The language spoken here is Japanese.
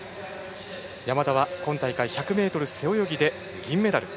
山田は今大会１００ｍ背泳ぎで銀メダル。